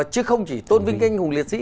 chứ không chỉ tôn vinh cái anh hùng liệt sĩ